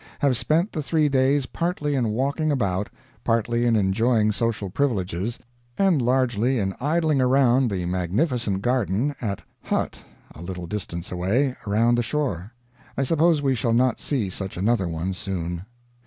Have spent the three days partly in walking about, partly in enjoying social privileges, and largely in idling around the magnificent garden at Hutt, a little distance away, around the shore. I suppose we shall not see such another one soon.